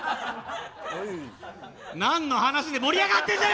何の話で盛り上がってんだよ